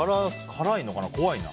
辛いのかな？